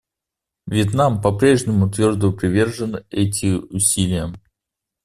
Вьетнам по-прежнему твердо привержен эти усилиям.